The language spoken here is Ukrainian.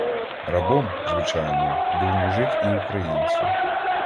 Рабом, звичайно, був мужик і українці.